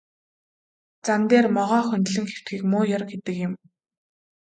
Зам дээр могой хөндлөн хэвтэхийг муу ёр гэдэг юм.